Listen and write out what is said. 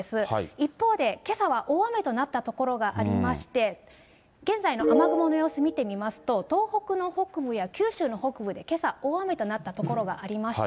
一方で、けさは大雨となった所がありまして、現在の雨雲の様子、見てみますと、東北の北部や九州の北部でけさ、大雨となった所がありました。